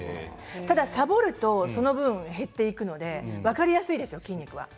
たださぼるとその分減っていくので分かりやすいですよ